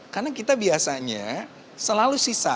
karena kita biasanya selalu sisa